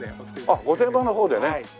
あっ御殿場の方でね。